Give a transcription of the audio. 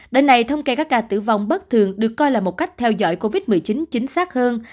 đến nay thông kê các ca tử vong bất thường được coi là một cách theo dõi covid một mươi chín chính xác hơn